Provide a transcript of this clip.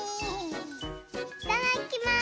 いただきます！